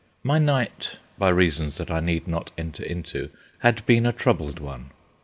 My night—by reasons that I need not enter into—had been a troubled one.